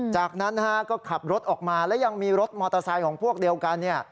จากนั้นก็ขับรถออกมาและยังมีรถมอเตอร์ไซค์ของพวกเดียวกัน